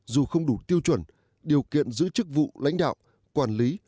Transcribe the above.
dù không đủ tiêu chuẩn điều kiện giữ chức vụ lãnh đạo quản lý